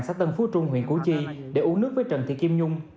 xã tân phú trung huyện củ chi để uống nước với trần thị kim nhung